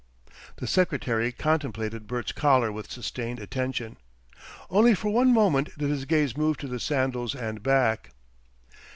The secretary contemplated Bert's collar with sustained attention. Only for one moment did his gaze move to the sandals and back.